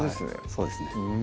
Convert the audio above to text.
そうですね